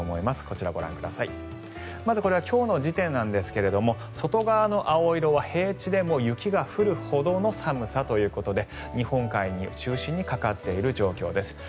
まずこれは今日の時点なんですが外側の青色は平地でも雪が降るほどの寒さということで日本海中心にかかっている状況です。